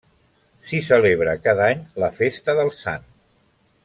S'hi celebra cada any la festa del sant.